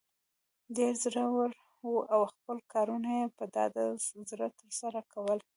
ډیر زړه ور وو او خپل کارونه یې په ډاډه زړه تر سره کول.